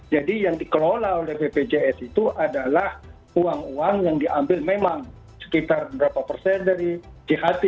jadi yang dikelola oleh bpjs itu adalah uang uang yang diambil memang sekitar berapa persen dari jht